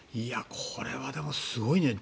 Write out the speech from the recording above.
これはでも、すごいね。